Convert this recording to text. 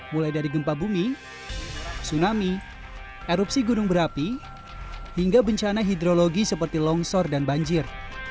mulai dari gempa bumi tsunami erupsi gunung berapi hingga bencana hidrologi seperti longsor dan banjir